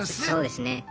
そうですね。